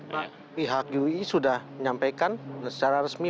pak pihak ui sudah menyampaikan secara resmi